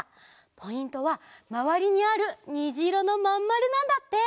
ポイントはまわりにあるにじいろのまんまるなんだって！